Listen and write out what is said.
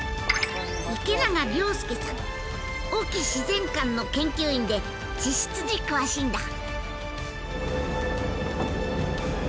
隠岐自然館の研究員で地質に詳しいんだ。